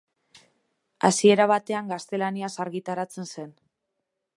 Hasiera batean, gaztelaniaz argitaratzen zen.